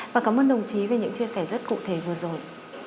và cảm ơn đồng chí về những chia sẻ rất cụ thể vừa rồi